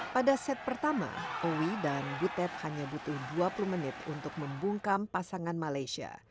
pada set pertama owi dan butet hanya butuh dua puluh menit untuk membungkam pasangan malaysia